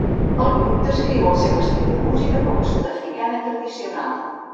El grup descriu el seu estil de música com a sud-africana tradicional.